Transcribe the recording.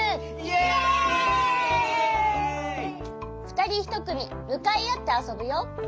ふたりひとくみむかいあってあそぶよ！